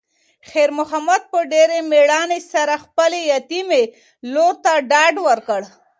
خیر محمد په ډېرې مېړانې سره خپلې یتیمې لور ته ډاډ ورکړ.